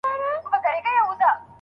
د ماهر لخوا ساعت معاينه کېږي.